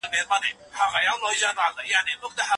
ونه چې کله لغړه شوه پاڼه پرې پاتې وه.